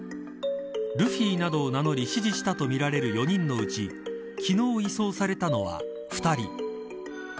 ルフィなどを名乗り指示したとみられる４人のうち昨日移送されたのは２人。